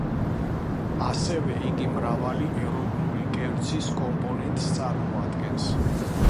ასევე, იგი მრავალი ეროვნული კერძის კომპონენტს წარმოადგენს.